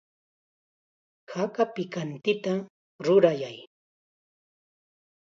Haka pikantita rurayay.